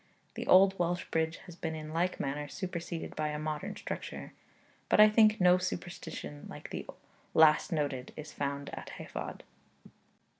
The old Welsh bridge has been in like manner superseded by a modern structure; but I think no superstition like the last noted is found at Hafod.